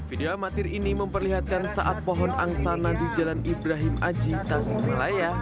video amatir ini memperlihatkan saat pohon angsana di jalan ibrahim ajih tasim melayah